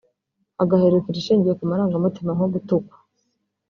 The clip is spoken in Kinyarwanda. hagaheruka irishingiye ku marangamutima nko gutukwa